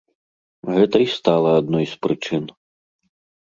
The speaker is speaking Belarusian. Гэта і стала адной з прычын.